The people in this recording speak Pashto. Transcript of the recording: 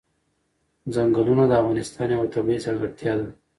چنګلونه د افغانستان یوه طبیعي ځانګړتیا ده.